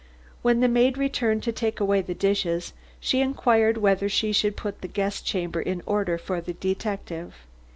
When the maid returned to take away the dishes she inquired whether she should put the guest chamber in order for the detective.